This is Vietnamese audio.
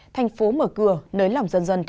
thành phố mở cửa nới lỏng dần dần